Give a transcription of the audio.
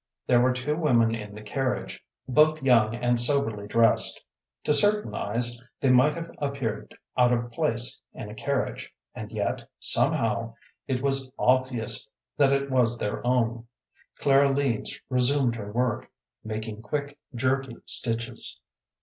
There were two women in the carriage, both young and soberly dressed. To certain eyes they might have appeared out of place in a carriage, and yet, somehow, it was obvious that it was their own. Clara Leeds resumed her work, making quick, jerky stitches.